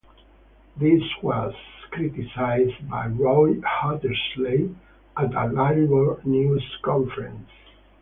This was criticised by Roy Hattersley at a Labour news conference.